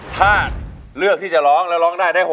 ถ้าเลือกที่จะร้องแล้วร้องได้ได้๖๐